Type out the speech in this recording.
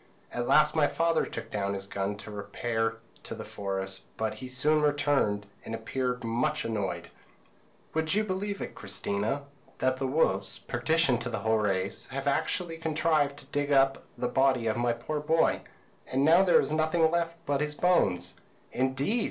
p> "At last my father took down his gun to repair to the forest; but he soon returned, and appeared much annoyed. "'Would you believe it, Christina, that the wolves perdition to the whole race have actually contrived to dig up the body of my poor boy, and now there is nothing left of him but his bones?' "'Indeed!'